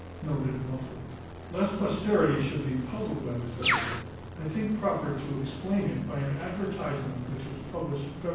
[*] Lest posterity should be puzzled by this epithet, I think proper to explain it by an advertisement which was published Feb.